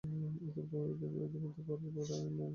এঁদের মধ্যে পরেশ বড়ুয়া ও নুরুল আমিন পলাতক।